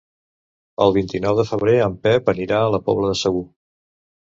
El vint-i-nou de febrer en Pep anirà a la Pobla de Segur.